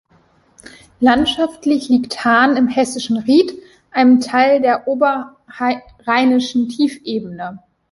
Landschaftlich liegt Hahn im Hessischen Ried, einem Teil der Oberrheinischen Tiefebene.